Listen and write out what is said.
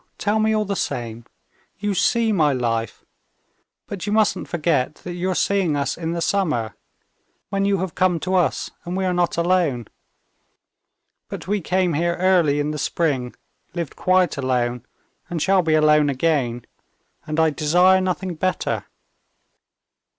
"No, tell me all the same.... You see my life. But you mustn't forget that you're seeing us in the summer, when you have come to us and we are not alone.... But we came here early in the spring, lived quite alone, and shall be alone again, and I desire nothing better.